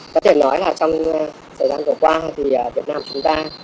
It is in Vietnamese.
có thể nói là trong thời gian vừa qua thì việt nam chúng ta